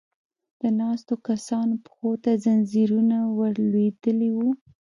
د ناستو کسانو پښو ته ځنځيرونه ور لوېدلې و.